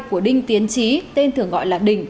của đinh tiến trí tên thường gọi là đình